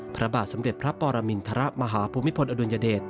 พระบาทสมเด็จพระปรมินทรมาฮภูมิพลอดุลยเดช